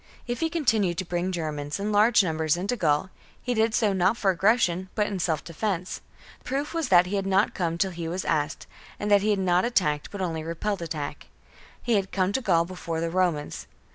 If he continued to bring Germans in large numbers into Gaul, he did so not for aggression but in self defence ; the proof was that he had not come till he was asked, and that he had not attacked but only repelled attack. He had come to Gaul before the Romans.